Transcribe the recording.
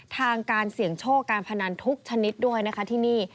ทางการเสี่ยงโชคการพนันทุกชนิดด้วยนะคะที่นี่